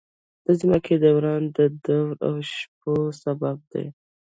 د ځمکې دوران د ورځو او شپو سبب دی.